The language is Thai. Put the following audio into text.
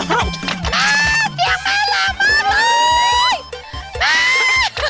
แม่เสียงแม่แหลงมากเลยแม่